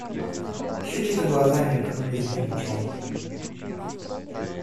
Еще чьи-то глаза мелькнули за плечом.